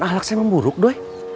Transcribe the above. ahlak saya memburuk doi